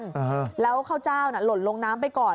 เพราะว่าเจ้าข้าวเจ้าหลนลงน้ำไปก่อน